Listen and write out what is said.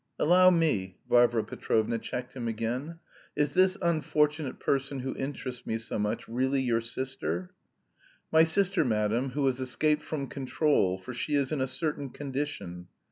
"Allow me!" Varvara Petrovna checked him again. "Is this unfortunate person who interests me so much really your sister?" "My sister, madam, who has escaped from control, for she is in a certain condition...."